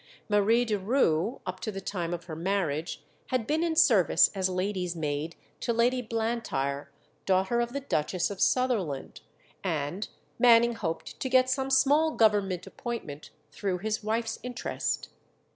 Marie de Roux up to the time of her marriage had been in service as lady's maid to Lady Blantyre, daughter of the Duchess of Sutherland, and Manning hoped to get some small Government appointment through his wife's interest.